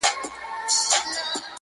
ترېنه وغواړه لمن كي غيرانونه.!